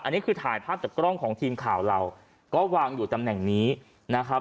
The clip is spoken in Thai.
อันนี้คือถ่ายภาพจากกล้องของทีมข่าวเราก็วางอยู่ตำแหน่งนี้นะครับ